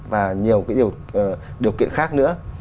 và nhiều điều kiện khác nữa